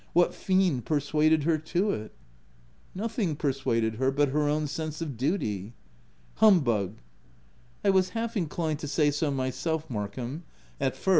What fiend persuaded her to it ?"" Nothing persuaded her but her own sense of duty." " Humbug !"" I was half inclined to say so myself, Mark VOL. III. K 194 THE TENANT ham, at first.